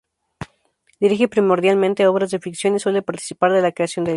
Dirige primordialmente obras de ficción y suele participar de la creación del guion.